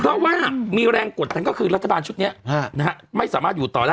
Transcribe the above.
เพราะว่ามีแรงกดดันก็คือรัฐบาลชุดนี้ไม่สามารถอยู่ต่อได้